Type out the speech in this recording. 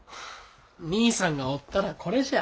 兄さんがおったらこれじゃあ。